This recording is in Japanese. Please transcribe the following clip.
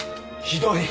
ひどい。